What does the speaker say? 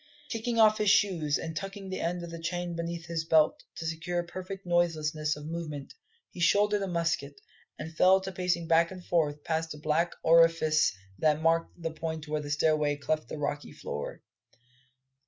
Kicking off his shoes, and tucking the end of the chain beneath his belt to secure perfect noiselessness of movement, he shouldered a musket, and fell to pacing back and forth past the black orifice that marked the point where the stairway cleft the rocky floor.